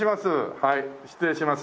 はい失礼します。